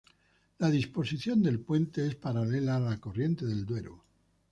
La disposición del puente es paralela a la corriente del Duero.